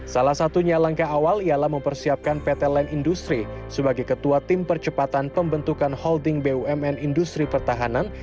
salah satunya langkah awal ialah mempersiapkan pt line industri sebagai ketua tim percepatan pembentukan holding bumn industri pertahanan